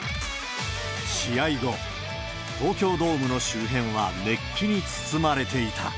試合後、東京ドームの周辺は熱気に包まれていた。